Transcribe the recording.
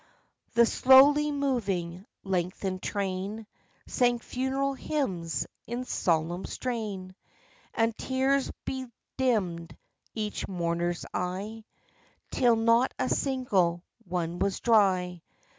The slowly moving, lengthened train Sang funeral hymns in solemn strain, And tears bedimmed each mourner's eye, Till not a single one was dry.